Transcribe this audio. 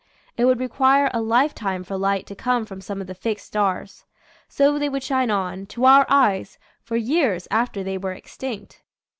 It would require a lifetime for light to come from some of the fixed stars. So they would shine on, to our eyes, for years after they were extinct.